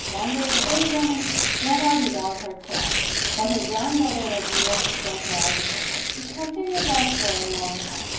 One day the aged woman went out without her crutch, but her granddaughter was near to serve her as a support. It continued thus for a long time.